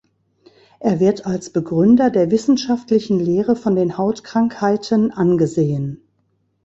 Er wird als Begründer der wissenschaftlichen Lehre von den Hautkrankheiten angesehen.